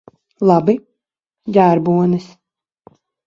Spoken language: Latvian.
Labi. Ģērbonis.